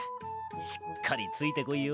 しっかりついてこいよ！